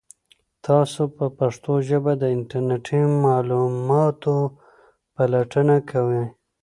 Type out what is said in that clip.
تاسو په پښتو ژبه د انټرنیټي معلوماتو پلټنه کوئ؟